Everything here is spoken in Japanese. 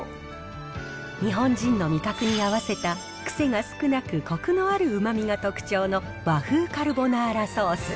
日本人の味覚に合わせた癖が少なく、こくのあるうまみが特徴の和風カルボナーラソース。